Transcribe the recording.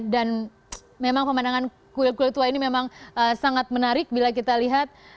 dan memang pemandangan kuil kuil tua ini memang sangat menarik bila kita lihat